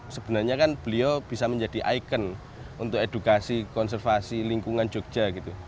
sebenarnya kan beliau bisa menjadi ikon untuk edukasi konservasi lingkungan jogja gitu